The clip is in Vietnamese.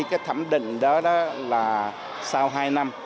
cái thẩm định đó là sau hai năm